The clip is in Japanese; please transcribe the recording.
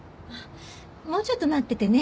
もうちょっと待っててね。